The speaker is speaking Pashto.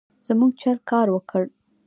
زموږ چل کار ورکړ.